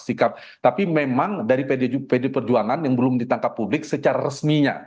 sikap tapi memang dari pd perjuangan yang belum ditangkap publik secara resminya